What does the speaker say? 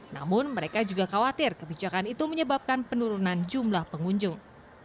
namun mereka juga khawatir kebijakan itu menyebabkan penurunan jumlah pengunjung